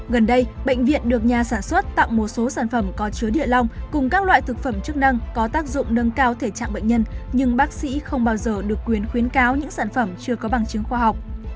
gần đây bệnh viện được nhà sản xuất tặng một số sản phẩm có chứa địa long cùng các loại thực phẩm chức năng có tác dụng nâng cao thể trạng bệnh nhân nhưng bác sĩ không bao giờ được quyến khuyến cáo những sản phẩm chưa có bằng chứng khoa học